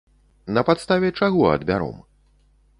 На падставе чаго адбяром?